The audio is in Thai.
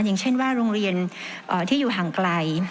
อย่างเช่นว่าโรงเรียนที่อยู่ห่างไกล